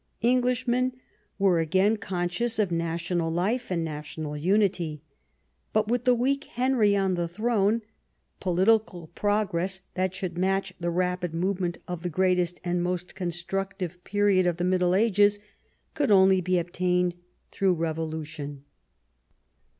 Englishmen were again conscious of national life and national unity. But with the weak Henry on the throne political progress that should match the rapid movement of the greatest and most constructive period of the I^Iiddle Ages could only be obtained throu2;h revolution.